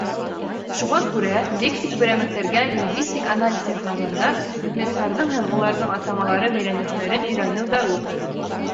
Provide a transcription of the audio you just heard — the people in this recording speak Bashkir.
Шуға күрә, лексик берәмектәргә лингвистик анализ яһағанда, предметтарҙың һәм уларҙың атамалары бәйләнештәрен өйрәнеү зарур.